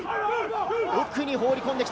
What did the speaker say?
奥に放り込んできた！